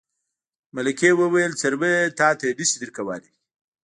ملکې وویل څرمن تاته نه شي درکولی.